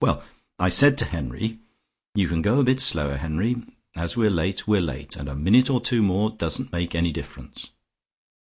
Well, I said to Henry, 'You can go a bit slower, Henry, as we're late, we're late, and a minute or two more doesn't make any difference.'